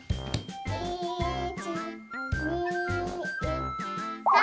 １２３！